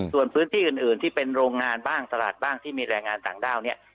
ส่วนพื้นที่อื่นที่เป็นโรงงานบ้างตลาดบ้างที่มีแรงงานต่างด้าวเนี่ย